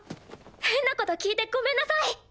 変なこと聞いてごめんなさい。